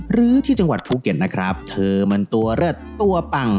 หรือที่จังหวัดภูเก็ตนะครับเธอมันตัวเลิศตัวปัง